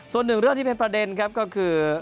ส่วนหนึ่งเรื่องที่เป็นประเด็นครับก็คือ